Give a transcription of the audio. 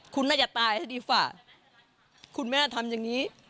คุณน่าจะตายให้ดีฝ่าคุณแม่ทำอย่างนี้